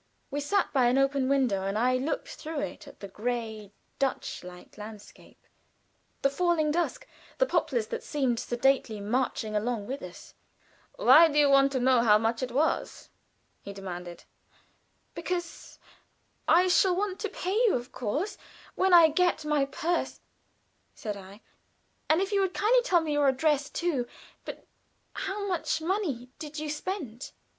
We sat by an open window, and I looked through it at the gray, Dutch like landscape, the falling dusk, the poplars that seemed sedately marching along with us. "Why do you want to know how much?" he demanded. "Because I shall want to pay you, of course, when I get my purse," said I. "And if you will kindly tell me your address, too but how much money did you spend?"